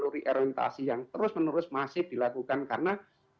reorientasi yang terus menerus masif dilakukan karena